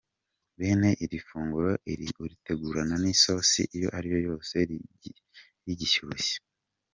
Bene iri funguro uritegurana n’isosi iyo ari yo yose rigishyushye.